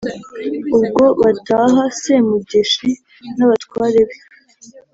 ubwo bataha semugeshi n'abatware be